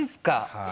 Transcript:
はい。